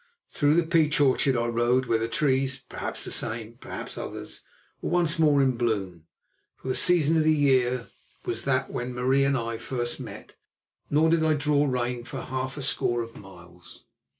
Through the peach orchard I rode, where the trees—perhaps the same, perhaps others—were once more in bloom, for the season of the year was that when Marie and I first met, nor did I draw rein for half a score of miles.